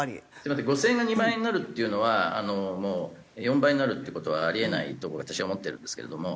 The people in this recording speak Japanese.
５０００円が２万円になるっていうのは４倍になるって事はあり得ないと私は思ってるんですけれども。